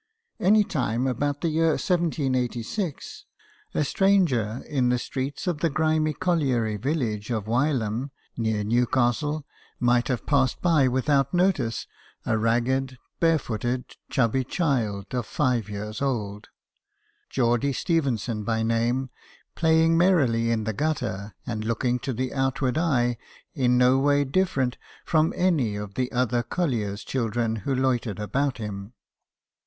NY time about the year 1 786, a stranger in the streets of the grimy colliery village of Wylam, near Newcastle, might have passed by without notice a ragged, barefooted, chubby child of five years old, Geordie Stephenson by name, playing merrily in the gutter and looking to the outward eye in no way different from any of the other colliers' children who loitered about him.